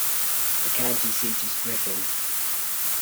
The county seat is Griffin.